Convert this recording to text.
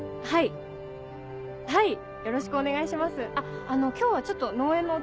はいはい。